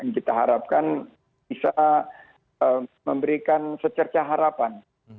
kita harapkan bisa memberikan secerca harapan